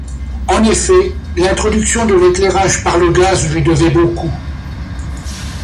En effet, l'introduction de l'éclairage par le gaz lui devait beaucoup.